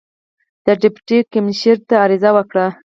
د ډیپټي کمیشنر ته عریضه وکړه.